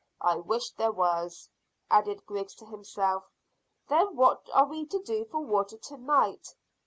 I wish there was," added Griggs to himself. "Then what are we to do for water to night?"